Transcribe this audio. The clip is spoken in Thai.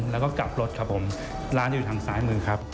แล้วก็กลับรถครับผมร้านอยู่ทางซ้ายมือครับ